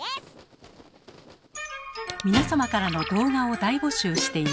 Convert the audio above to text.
皆様からの動画を大募集しています。